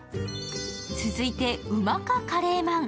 続いて、馬かカレーまん。